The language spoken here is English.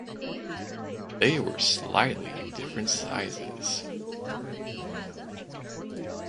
They were slightly different sizes.